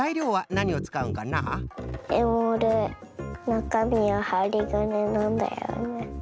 なかみははりがねなんだよね。